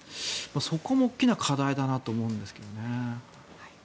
そこも大きな課題だなと思うんですけどね。